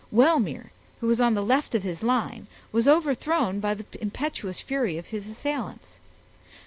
Wellmere, who was on the left of his line, was overthrown by the impetuous fury of his assailants.